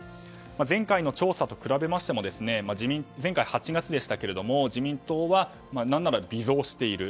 前回の調査と比べましても前回８月でしたけれども自民党は、何なら微増している。